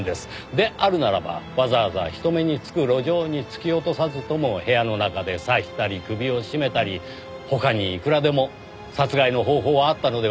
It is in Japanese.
であるならばわざわざ人目につく路上に突き落とさずとも部屋の中で刺したり首を絞めたり他にいくらでも殺害の方法はあったのではないでしょうかねぇ。